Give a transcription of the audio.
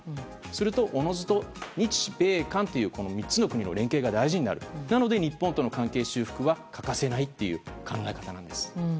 すると、おのずと日米韓という３つの国の連携が大事になるので日本との関係修復は欠かせないという考え方なんです。